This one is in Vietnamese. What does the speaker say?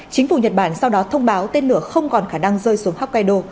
chính phủ nhật bản sau đó thông báo tên lửa không còn khả năng rơi xuống hokkaido